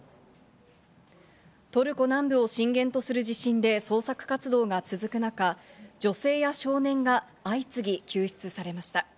トルコ南部を震源とする地震で、捜索活動が続く中、女性や少年が相次ぎ救出されました。